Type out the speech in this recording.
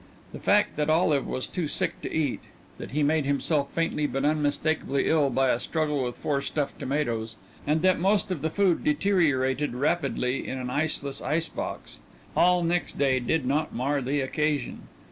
The fact that Olive was too sick to eat, that he made himself faintly but unmistakably ill by a struggle with four stuffed tomatoes, and that most of the food deteriorated rapidly in an iceless ice box: all next day did not mar the occasion.